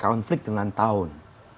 konflik dengan tahun